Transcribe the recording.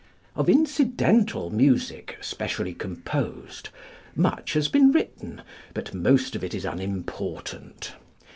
Of incidental music, specially composed, much has been written, but most of it is unimportant.